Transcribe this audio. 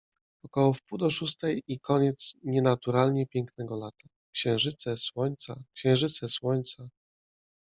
Około wpół do szóstej i koniec nienaturalnie pięknego lata: księżyce, słońca, księżyce, słońca.